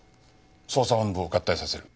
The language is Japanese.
捜査本部を合体させる。